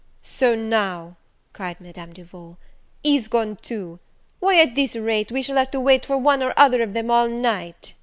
"So, now", cried Madame Duval, "he's gone too! why, at this rate, we shall have to wait for one or other of them all night!"